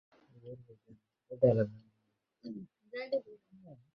তাদের সাথে পানি ভর্তি একটি মশক ছিল।